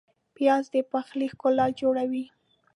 پیاز د پخلي ښکلا جوړوي